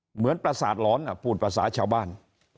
เหมือนประศาสตร์หลอนพูดภาษาชาวบ้าน